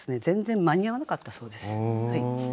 全然間に合わなかったそうです。